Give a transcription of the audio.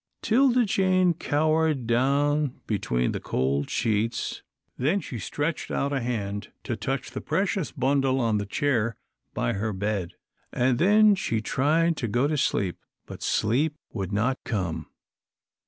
'Tilda Jane cowered down between the cold sheets. Then she stretched out a hand to touch the precious bundle on the chair by her bed. And then she tried to go to sleep, but sleep would not come.